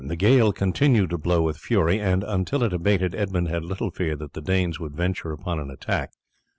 The gale continued to blow with fury, and until it abated Edmund had little fear that the Danes would venture upon an attack.